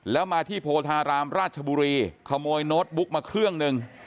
แล้วมาที่โพธารามราชบุรีขโมยโน้ตบุ๊กมาเครื่องหนึ่ง